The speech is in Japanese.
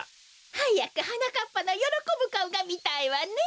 はやくはなかっぱのよろこぶかおがみたいわね。